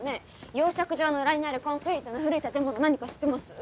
養殖場の裏にあるコンクリートの古い建物何か知ってます？